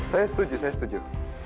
saya setuju saya setuju